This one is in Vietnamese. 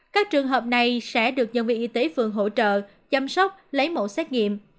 các trường hợp này sẽ được nhân viên y tế phường hỗ trợ chăm sóc lấy mẫu xét nghiệm